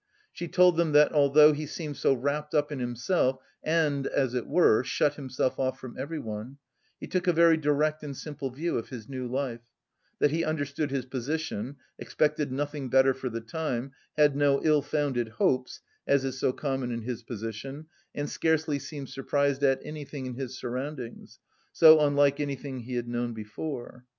She told them that, although he seemed so wrapped up in himself and, as it were, shut himself off from everyone he took a very direct and simple view of his new life; that he understood his position, expected nothing better for the time, had no ill founded hopes (as is so common in his position) and scarcely seemed surprised at anything in his surroundings, so unlike anything he had known before.